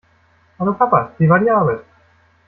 Hallo, Papa. Wie war die Arbeit?